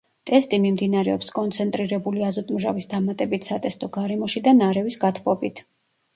ტესტი მიმდინარეობს კონცენტრირებული აზოტმჟავის დამატებით სატესტო გარემოში და ნარევის გათბობით.